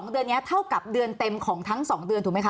เดือนนี้เท่ากับเดือนเต็มของทั้ง๒เดือนถูกไหมค